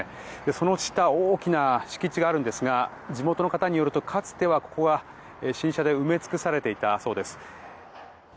その下大きな敷地があるんですが地元の方によるとかつてはここは新車で埋め尽くされていたそうです。